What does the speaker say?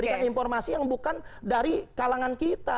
ini adalah informasi yang bukan dari kalangan kita